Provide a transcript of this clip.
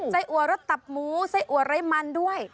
อัวรสตับหมูไส้อัวไร้มันด้วย